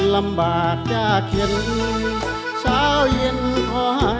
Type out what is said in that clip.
ลำบากจากเห็นเช้าเย็นขอให้เห็นหน้า